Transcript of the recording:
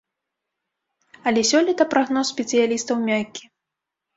Але сёлета прагноз спецыялістаў мяккі.